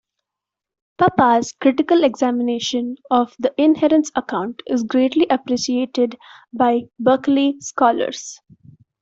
Pappas' critical examination of the "inherence account" is greatly appreciated by Berkeley scholars.